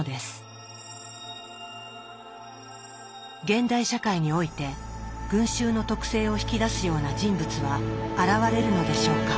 現代社会において群衆の徳性を引き出すような人物は現れるのでしょうか？